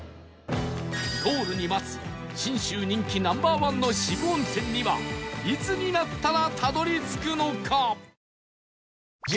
ゴールに待つ信州人気 Ｎｏ．１ の渋温泉にはいつになったらたどり着くのか？